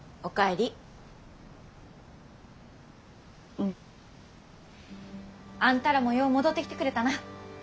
うん。あんたらもよう戻ってきてくれたな。